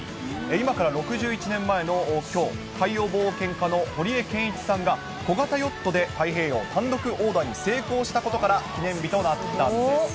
今から６１年前のきょう、海洋冒険家の堀江謙一さんが、小型ヨットで太平洋単独横断に成功したことから、記念日となったんです。